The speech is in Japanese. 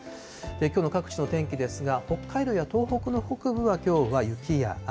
きょうの各地の天気ですが、北海道や東北の北部はきょうは雪や雨。